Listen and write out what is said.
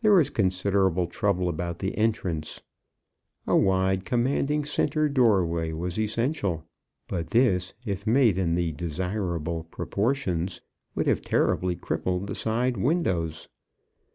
There was considerable trouble about the entrance. A wide, commanding centre doorway was essential; but this, if made in the desirable proportions, would have terribly crippled the side windows.